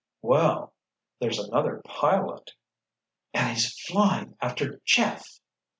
"Well—there's another pilot!" "And he's flying after Jeff!"